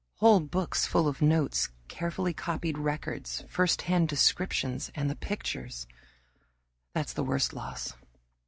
Whole books full of notes, carefully copied records, firsthand descriptions, and the pictures that's the worst loss.